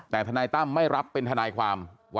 แต่ทนายตั้มไม่รับเป็นทนายความ